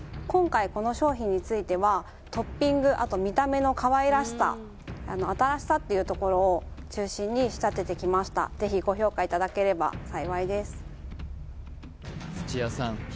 今回この商品についてはトッピングあと見た目のかわいらしさ新しさっていうところを中心に仕立ててきました是非ご評価いただければ幸いです土屋さん